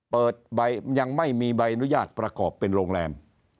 ยังไม่มีใบอนุญาตประกอบเป็นโรงแรม